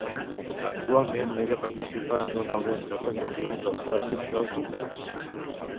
Actualment ella participa en un àlbum interpretatiu dels clàssics dels Beatles.